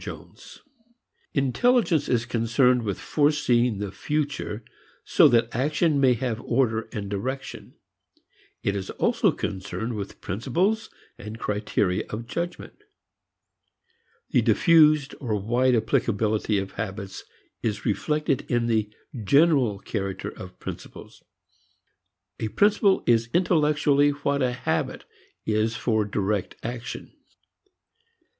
VII Intelligence is concerned with foreseeing the future so that action may have order and direction. It is also concerned with principles and criteria of judgment. The diffused or wide applicability of habits is reflected in the general character of principles: a principle is intellectually what a habit is for direct action.